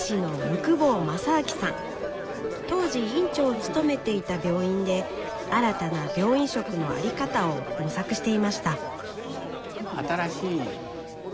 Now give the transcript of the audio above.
当時院長を務めていた病院で新たな病院食の在り方を模索していました。